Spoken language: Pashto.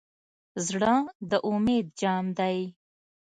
زړه د امید جام دی.